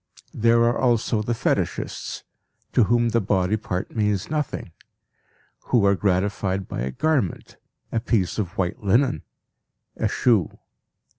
There are also the fetishists, to whom the body part means nothing, who are gratified by a garment, a piece of white linen, a shoe.